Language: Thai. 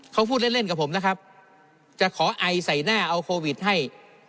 เขาพูดเล่นเล่นกับผมนะครับจะขอไอใส่หน้าเอาโควิดให้